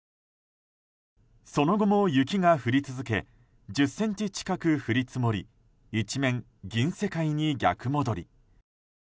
その後も雪が降り続け１０ｃｍ近く降り積もり一面、銀世界に逆戻り。